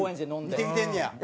見てきてんねや。